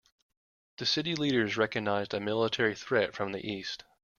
The city leaders recognized a military threat from the east.